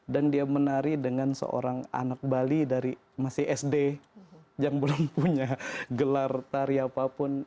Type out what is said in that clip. dan dia menari dengan seorang anak bali dari masih sd yang belum punya gelar tari apapun